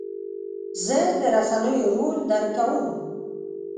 زه د رسنیو رول درک کوم.